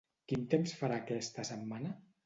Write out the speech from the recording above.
Quin temps farà aquesta setmana?